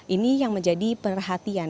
ini yang menjadi perhatian